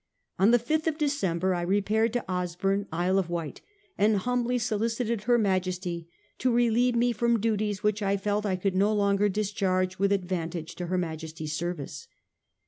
On the 5th of Decem ber I repaired to Osborne, Isle of Wight, and humbly solicited her Majesty to relieve me from duties which I felt I could no longer discharge with advantage to her Majesty's service.